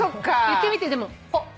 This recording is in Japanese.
言ってみてでも。